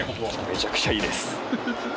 めちゃくちゃいいです。